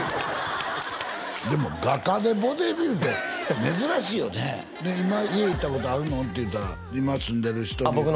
でも画家でボディビルって珍しいよねで今家行ったことあるのん？って言うたらあっ僕の？